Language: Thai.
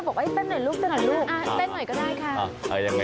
ก็ส่วนหน่อยด้วยนะคะ